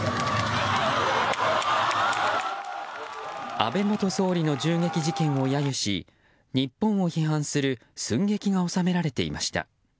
安倍元総理の銃撃事件を揶揄し日本を批判する寸劇が収められていました。